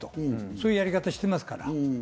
そういうやり方をしてますから。